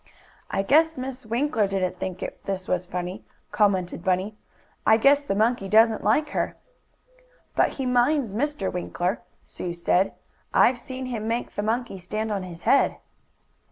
"I guess Miss Winkler didn't think this was funny," commented Bunny. "I guess the monkey doesn't like her." "But he minds Mr. Winkler," Sue said. "I've seen him make the monkey stand on his head."